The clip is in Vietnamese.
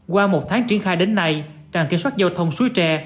qua một tháng triển khai đến nay trạm kiểm soát giao thông suối tre